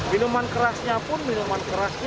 minuman kerasnya pun minuman kerasnya